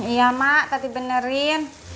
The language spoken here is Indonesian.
iya mak tadi benerin